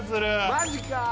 マジか。